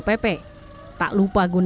kepala pembangunan pembangunan